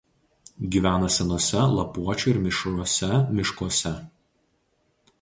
Gyvena senuose lapuočių ir mišriuose miškuose.